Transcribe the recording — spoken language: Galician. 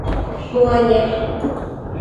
Moaña.